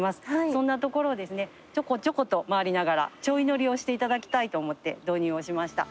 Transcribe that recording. そんな所をですねちょこちょこと回りながらちょい乗りをしていただきたいと思って導入をしました。